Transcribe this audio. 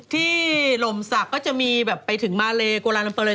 ที่หลมศักดิ์ก็จะมีแบบไปถึงมาเลกว่าล้านลำเปลลย